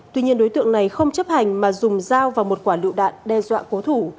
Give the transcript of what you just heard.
tuy nhiên đối tượng này không chấp hành mà dùng dao vào một quả lựu đạn đe dọa cố thủ